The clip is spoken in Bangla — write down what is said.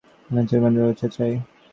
মহাতেজ, মহাবীর্য, মহা উৎসাহ চাই।